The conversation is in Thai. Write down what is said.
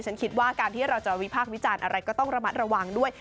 ฉันคิดว่าการที่เราจะวิพากษ์วิจารณ์อะไรก็ต้องระมัดระวังด้วย